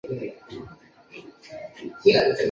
紫背万年青可以用来泡茶。